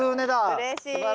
うれしい。